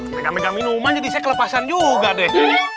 pegang pegang minuman jadi saya kelepasan juga deh